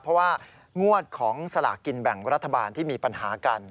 เพราะว่างวดของสลากกินแบ่งรัฐบาลที่มีปัญหากัน